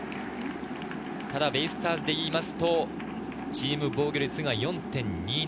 ベイスターズでいうとチーム防御率が４．２７。